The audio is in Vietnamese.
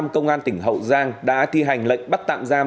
công an tỉnh hậu giang đã thi hành lệnh bắt tạm giam